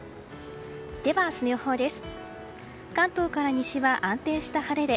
では明日の予報です。